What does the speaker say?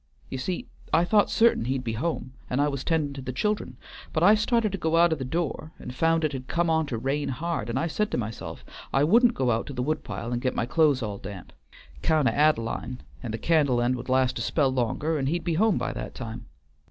You see, I thought certain he'd be home and I was tendin' to the child'n, but I started to go out o' the door and found it had come on to rain hard, and I said to myself I wouldn't go out to the woodpile and get my clothes all damp, 'count o' Ad'line, and the candle end would last a spell longer, and he'd be home by that time.